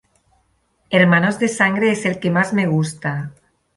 Hermanos de sangre es el que más me gusta.